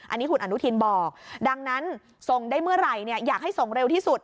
อันนี้คุณอนุทินบอกดังนั้นส่งได้เมื่อไหร่อยากให้ส่งเร็วที่สุด